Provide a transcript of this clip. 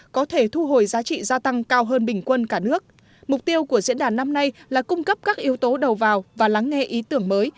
có thể thu hồi giá trị gia tăng cao hơn bình quân cả nước mục tiêu của diễn đàn năm nay là cung cấp các yếu tố đầu vào và lắng nghe ý tưởng mới